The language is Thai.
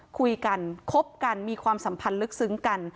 คุยกันคบกันมีความสัมพันธ์ลึกซึ้งกัน